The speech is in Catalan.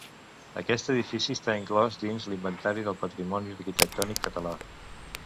Aquest edifici està inclòs dins l'Inventari del Patrimoni Arquitectònic Català.